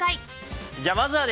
じゃあまずはですね